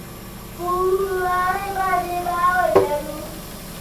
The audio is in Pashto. پر هوښیاري باندې باور لرو.